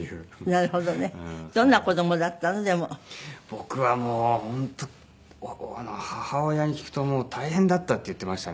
僕はもう本当母親に聞くと大変だったって言っていましたね。